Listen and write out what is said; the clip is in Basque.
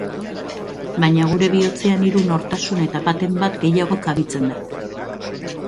Baina gure bihotzean hiru nortasun eta baten bat gehiago kabitzen da.